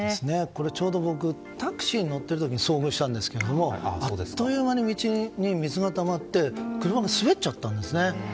ちょうど僕タクシーに乗っている時に遭遇したんですがあっという間に道に水がたまって車が滑っちゃったんですね。